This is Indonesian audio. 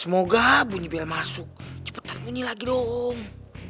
semoga bunyi biar masuk cepetan bunyi lagi dong